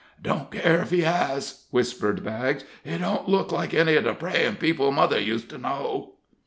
"Don't care if he has," whispered Baggs; "he don't look like any of the prayin' people mother used to know."